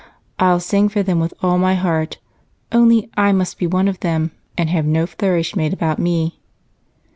I'll sing for them with all my heart only I must be one of them and have no flourish made about me."